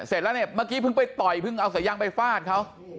เสร็จแล้วเนี่ยเมื่อกี้เพิ่งไปต่อยเพิ่งเอาสายยางไปฟาดเขา